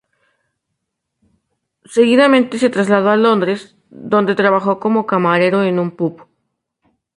Seguidamente se trasladó a Londres, donde trabajó como camarero en un pub.